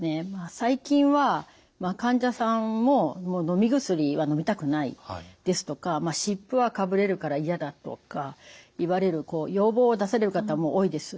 最近は患者さんも「もうのみ薬はのみたくない」ですとか「湿布はかぶれるから嫌だ」とか言われる要望を出される方も多いです。